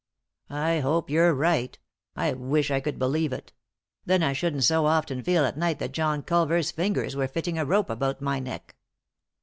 " I hope you're right. I wish I could believe it Then I shouldn't so often feel at night that John Culver's fingers were fitting a rope about my neck."